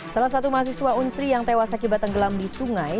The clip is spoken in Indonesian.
salah satu mahasiswa unsri yang tewas akibat tenggelam di sungai